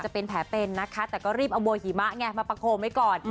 เพิ่มโครงไว้ก่อน